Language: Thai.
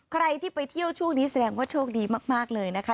ใครที่ไปเที่ยวช่วงนี้แสดงว่าโชคดีมากเลยนะคะ